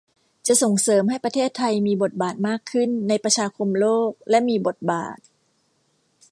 จะส่งเสริมให้ประเทศไทยมีบทบาทมากขึ้นในประชาคมโลกและมีบทบาท